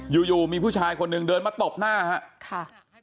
อยู่มีผู้ชายคนหนึ่งเดินมาตบหน้าครับ